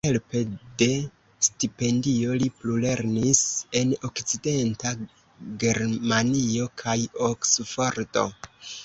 Helpe de stipendio li plulernis en Okcidenta Germanio kaj Oksfordo.